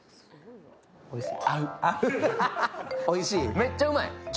めっちゃうまい。